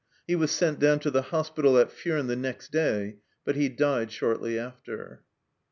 He was sent down to the hospital at Furnes the next day, but he died shortly after.